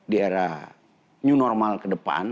di era new normal ke depan